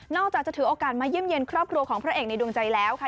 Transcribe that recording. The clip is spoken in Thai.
อกจากจะถือโอกาสมาเยี่ยมเยี่ยมครอบครัวของพระเอกในดวงใจแล้วค่ะ